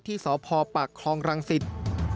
ที่สพปคลองรังสิทธิ์